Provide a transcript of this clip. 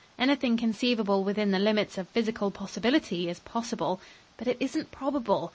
"Anything conceivable within the limits of physical possibility is possible. But it isn't probable.